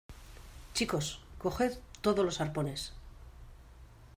chicos, coged todos los arpones